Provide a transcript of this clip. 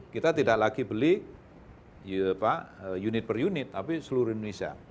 kita tidak lagi beli unit per unit tapi seluruh indonesia